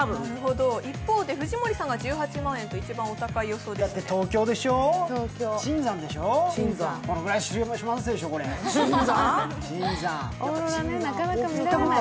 一方で藤森さんが１８万円と一番お高い予想ですが？